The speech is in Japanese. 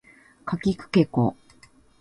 かきくけこ